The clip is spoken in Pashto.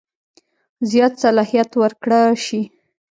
زیات صلاحیت ورکړه شي.